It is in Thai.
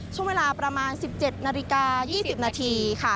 ช่วงเวลาประมาณ๑๗นาฬิกา๒๐นาทีค่ะ